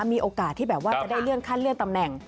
มีโอกาสที่แบบว่าจะได้เลื่อนขั้นเลื่อนตำแหน่ง